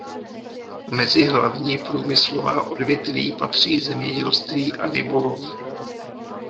Mezi hlavní průmyslová odvětví patří zemědělství a rybolov.